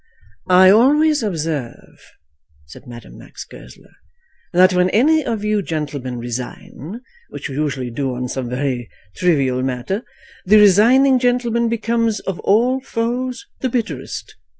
"I always observe," said Madame Max Goesler, "that when any of you gentlemen resign, which you usually do on some very trivial matter, the resigning gentleman becomes of all foes the bitterest.